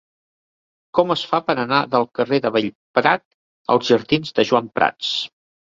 Com es fa per anar del carrer de Bellprat als jardins de Joan Prats?